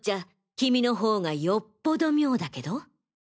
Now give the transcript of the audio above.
君の方がよっぽど妙だけど？